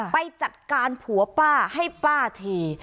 ไปจัดการผัวป้าให้ป้าที